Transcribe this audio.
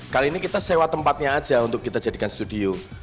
kali ini kita sewa tempatnya aja untuk kita jadikan studio